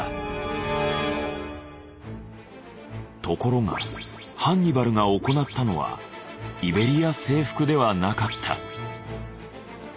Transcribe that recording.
ところがハンニバルが行ったのはイベリア征服ではなかった。